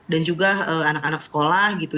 dan juga anak anak sekolah gitu